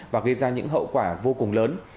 và gây ra những hậu quả vô cùng lớn